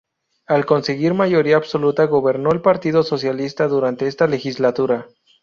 Al conseguir mayoría absoluta gobernó el partido socialista durante esta legislatura.